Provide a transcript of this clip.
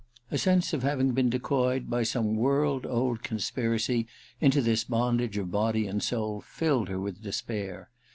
A sense of having been de coyed by some world old conspiracy into this bondage of body and soul filled her with despair.